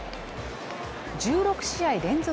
１６試合連続